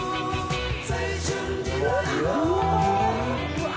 うわ。